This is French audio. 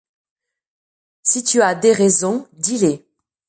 Si tu as des raisons, dis-les.